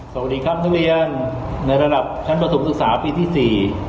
สวัสดีครับท่านเวียนในระดับชั้นประสุนศักดิ์ศึกษาปีที่๔